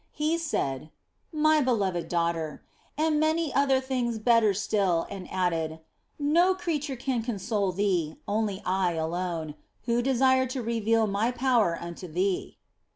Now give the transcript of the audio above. He 172 THE BLESSED ANGELA said, " My beloved daughter," and many other things better still, and added, " No creature can console thee, only I alone, who desire to reveal My power unto thee."